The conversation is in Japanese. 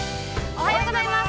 ◆おはようございます。